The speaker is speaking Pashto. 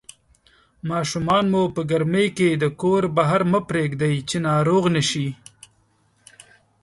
ماشومان مو په ګرمۍ کې د کور بهر مه پرېږدئ چې ناروغ نشي